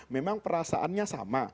memang perasaannya sama